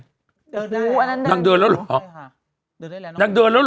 เดินได้นั่งเดินแล้วหรอค่ะเดินได้แล้วนั่งเดินแล้วหรอ